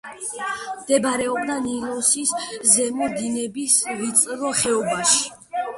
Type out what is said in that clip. მდებარეობდა ნილოსის ზემო დინების ვიწრო ხეობაში.